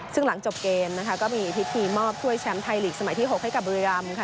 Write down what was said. ซึ่งหลังจบเกมก็มีทีมมอบช่วยแชมป์ไทยลีกสมัยที่๖ให้กับบริรัมย์